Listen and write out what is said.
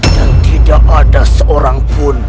dan tidak ada seorang pun